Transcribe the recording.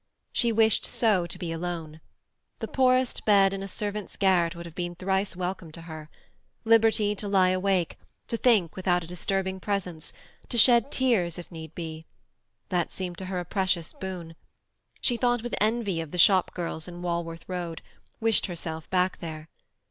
She wished so to be alone. The poorest bed in a servant's garret would have been thrice welcome to her; liberty to lie awake, to think without a disturbing presence, to shed tears if need be—that seemed to her a precious boon. She thought with envy of the shop girls in Walworth Road; wished herself back there.